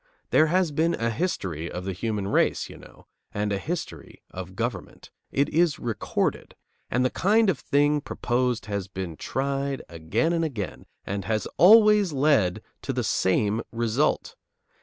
There has been a history of the human race, you know, and a history of government; it is recorded; and the kind of thing proposed has been tried again and again and has always led to the same result.